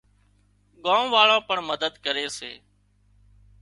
ڳام واۯان پڻ مدد ڪري سي